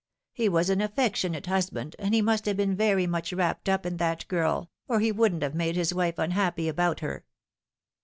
He was an affectionate husband, and he must have been very much wrapped up in that girl, or he wouldn't have made his wife unhappy about her."